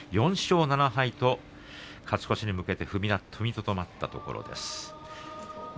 ４勝７敗と勝ち越しに向けて踏みとどまったところです。